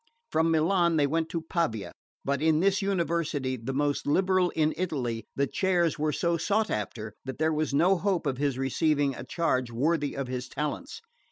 From Milan they went to Pavia; but in this University, the most liberal in Italy, the chairs were so sought after that there was no hope of his receiving a charge worthy of his talents.